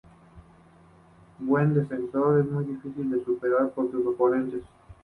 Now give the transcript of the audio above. Buen defensor, es muy difícil de superar por sus oponentes.